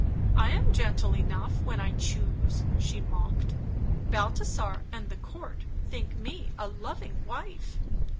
"" I am gentle enough when I choose," she mocked. " Balthasar and the Court think me a loving wife."